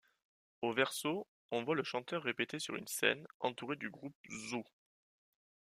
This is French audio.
Au verso, on voit le chanteur répéter sur une scène, entouré du groupe Zoo.